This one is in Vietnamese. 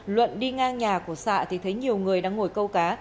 luận đi ngang nhà của xạ thì thấy nhiều người đang ngồi câu cá